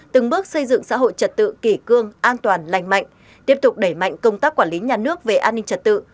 từng bước xây dựng xã hội trật tự kỷ cương an toàn lành mạnh tiếp tục đẩy mạnh công tác quản lý nhà nước về an ninh trật tự